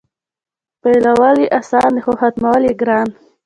پیلول یې اسان دي خو ختمول یې ګران.